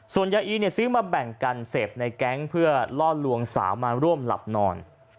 ส่วนยาอีเนี่ยซื้อมาแบ่งกันเสพในแก๊งเพื่อล่อลวงสาวมาร่วมหลับนอน